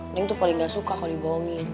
mending tuh paling gak suka kalau dibohongin